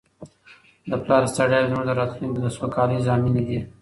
د پلار ستړیاوې زموږ د راتلونکي د سوکالۍ ضامنې دي.